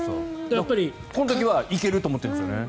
この時はいける！って思ってるんでしょうね。